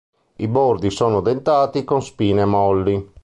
I bordi sono dentati con spine molli.